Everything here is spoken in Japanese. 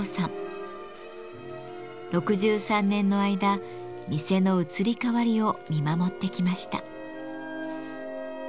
６３年の間店の移り変わりを見守ってきました。